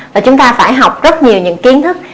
và chúng ta phải học rất nhiều những kiến thức